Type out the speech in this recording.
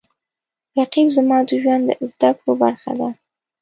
رقیب زما د ژوند د زده کړو برخه ده